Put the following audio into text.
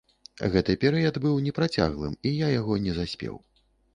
Гэты перыяд быў непрацяглым і я яго не заспеў.